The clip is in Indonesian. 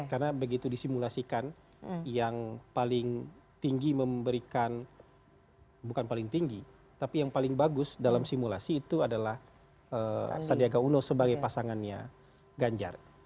karena begitu disimulasikan yang paling tinggi memberikan bukan paling tinggi tapi yang paling bagus dalam simulasi itu adalah sandiaga uno sebagai pasangannya ganjar